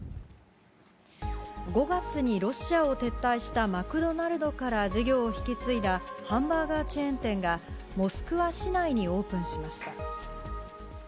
５月にロシアを撤退したマクドナルドから事業を引き継いだハンバーガーチェーン店が、モスクワ市内にオープンしました。